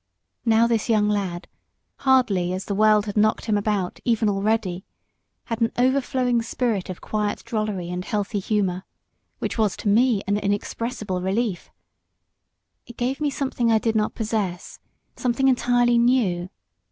Now this young lad, hardly as the world had knocked him about even already, had an overflowing spirit of quiet drollery and healthy humour, which was to me an inexpressible relief. It gave me something I did not possess something entirely new.